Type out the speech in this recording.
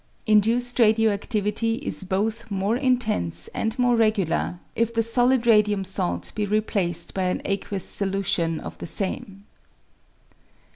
Induced radio adivity is both more intense and more regular if the solid radium salt be replaced by an aqueous solution of the same.